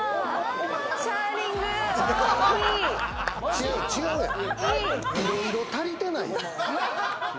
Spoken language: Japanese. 違う、違うやん。